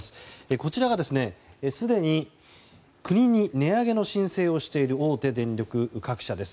こちらがすでに国に値上げの申請をしている大手電力各社です。